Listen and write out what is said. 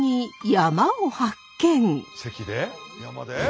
山で？